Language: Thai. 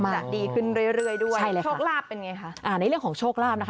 มันจะดีขึ้นเรื่อยด้วย